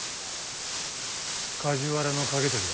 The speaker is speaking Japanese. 梶原景時だ。